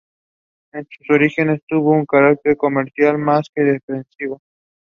Several of his game pieces were created in pairs.